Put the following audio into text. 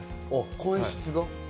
声質が？